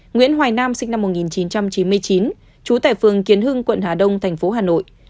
nguyễn hoài nam sinh năm một nghìn chín trăm chín mươi chín trú tại phường kiến hưng quận hà đông thành phố hà nội